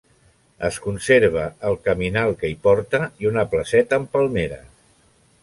Es conserva el caminal que hi porta i una placeta amb palmeres.